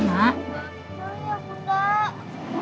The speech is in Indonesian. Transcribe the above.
enggak usah mak